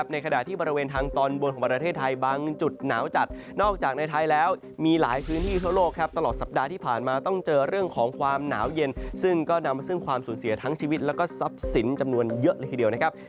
ในขณะที่บริเวณทางตอนบนของประเทศไทยบางจุดหนาวจัด